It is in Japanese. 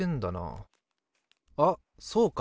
あっそうか。